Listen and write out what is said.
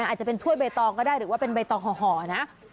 อาจจะเป็นถ้วยใบตองก็ได้หรือว่าเป็นใบตองห่อนะ